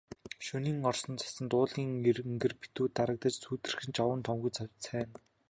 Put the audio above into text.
Шөнийн орсон цасанд уулын энгэр битүү дарагдаж, сүүдэртэх ч овон товонгүй цавцайна.